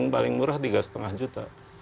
paling murah tiga lima juta